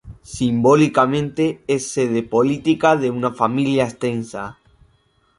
Simbólicamente es sede política de una familia extensa.